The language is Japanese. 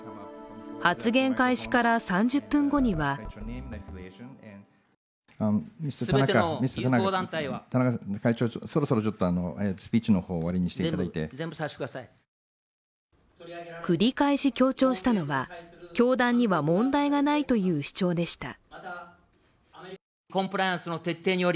発言開始から３０分後には繰り返し強調したのは、教団には問題がないという主張でした。